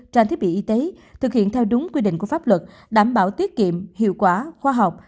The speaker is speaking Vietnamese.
trang thiết bị y tế thực hiện theo đúng quy định của pháp luật đảm bảo tiết kiệm hiệu quả khoa học